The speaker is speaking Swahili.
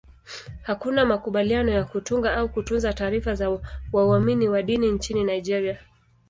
Hakuna makubaliano ya kutunga au kutunza taarifa za waumini wa dini nchini Nigeria.